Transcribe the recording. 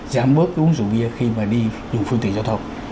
giảm bớt cái uống rượu bia khi mà đi dùng phương tiện giao thông